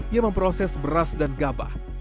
yang memproses beras dan gabah